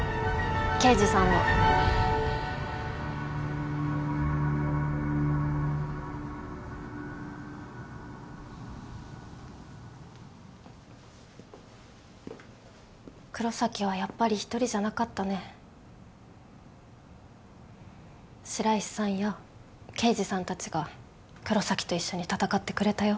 刑事さんを黒崎はやっぱり一人じゃなかったね白石さんや刑事さん達が黒崎と一緒に戦ってくれたよ